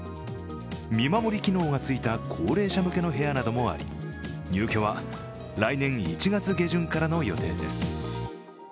見守り機能がついた高齢者向けの部屋などもあり入居は来年１月下旬からの予定です。